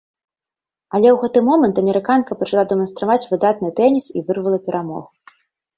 Але ў гэты момант амерыканка пачала дэманстраваць выдатны тэніс і вырвала перамогу.